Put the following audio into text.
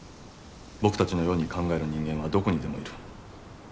僕たちのように考える人間はどこにでもいる。